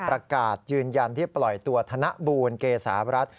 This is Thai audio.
ประกาศยืนยันที่ปล่อยตัวธนบูลเกษารัฐ